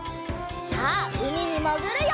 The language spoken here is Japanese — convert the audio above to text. さあうみにもぐるよ！